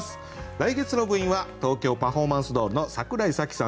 来月の部員は東京パフォーマンスドールの櫻井紗季さんです。